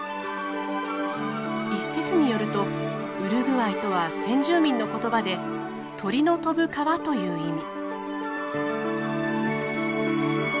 一説によるとウルグアイとは先住民の言葉で「鳥の飛ぶ川」という意味。